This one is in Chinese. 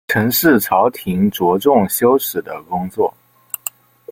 陈氏朝廷着重修史的工作。